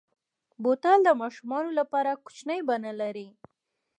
بوتل د ماشومو لپاره کوچنۍ بڼه لري.